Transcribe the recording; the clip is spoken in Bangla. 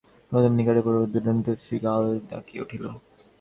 প্রথমে নিকটে, পরে দূর-দুরান্তরে শৃগাল ডাকিয়া উঠিল।